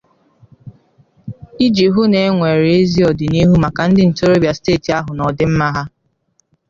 iji hụ na e nwere ezi ọdịnihu maka ndị ntorobịa steeti ahụ nà ọdịmma ha.